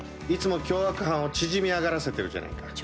いつも凶悪犯を縮み上がらせてるじゃないか。